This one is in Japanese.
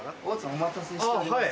お待たせしております。